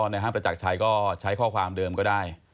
ห้างประจักรชัยก็ใช้ข้อความเดิมก็ได้